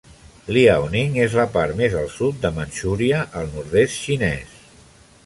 Liaoning és la part més al sud de Manchuria, el nord-est xinès.